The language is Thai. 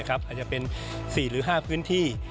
อาจจะเป็น๔หรือ๕พื้นที่